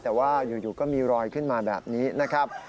แต่ว่าอยู่ก็มีรอยขึ้นมาแบบนี้นะครับ